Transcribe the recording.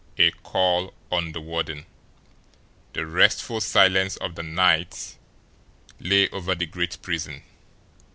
XVII A CALL ON THE WARDEN The restful silence of night lay over the great prison.